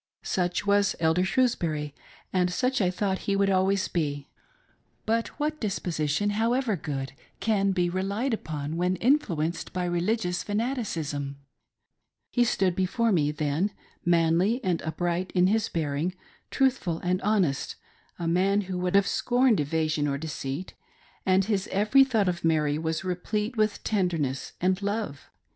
Such was Elder Shrewsbury, and such I thought he would always be ; but what disposition, however good, can be relied upon when influenced by religious fanaticism .■' He stood before me, then, manly and upright in his. bearing, truthful and honest, a man who would have scorned evasion or deceit, and his every thought of Mary was replete with tenderness and love.